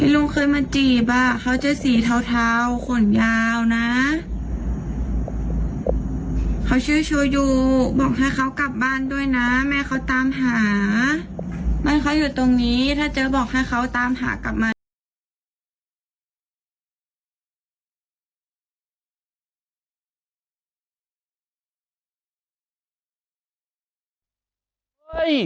แล้วแมวเขาตามหามันเขาอยู่ตรงนี้ถ้าเจ้าบอกให้เขาตามหากลับมา